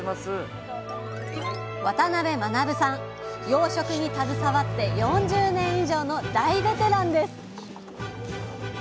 養殖に携わって４０年以上の大ベテランです！